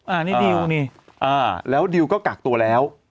อันนี้ดิวนี่อ่าแล้วดิวก็กักตัวแล้ว